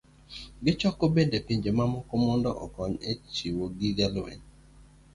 Gichoko bende pinje mamoko mondo okony e chiwo gige lweny